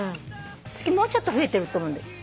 次もうちょっと増えてると思う。